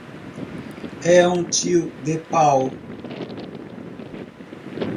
É um tio de pau.